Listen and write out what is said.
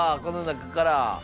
この中から。